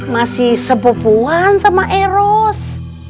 masih sepupuan sama eros